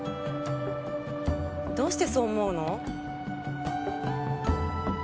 どうしてそう思うの？